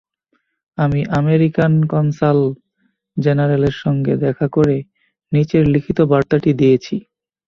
আমি আমেরিকার কনসাল জেনারেলের সঙ্গে দেখা করে নিচের লিখিত বার্তাটি দিয়েছি।